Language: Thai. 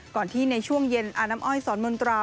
ก่อนที่ในช่วงเย็นออสรมนตรา